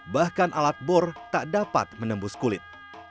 bahkan alat bor tak dapat menembus kulit